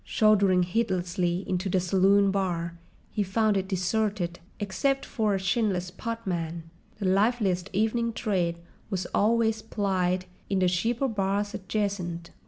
Shouldering heedlessly into the saloon bar, he found it deserted except for a chinless potman: the liveliest evening trade was always plied in the cheaper bars adjacent.